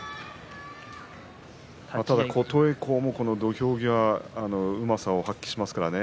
琴恵光も土俵際うまさを発揮します。